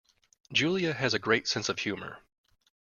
Julia has a great sense of humour